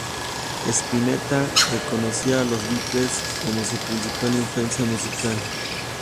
Spinetta reconocía a Los Beatles como su principal influencia musical.